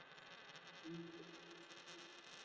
তিনি আফ্রিকার উত্তরাঞ্চলে বসবাস ও ব্যাপক ভ্রমণ করেছেন।